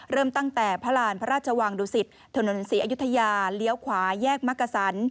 เริ่มตั้งแต่พระราณพระราชวังดุสิตถนนศรีอยุธยาเลี้ยวขวาแยกมักกษัน